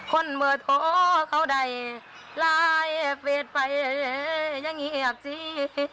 คนเบิดโอ้เขาใดลายเฟสไปยังเงียบจี๊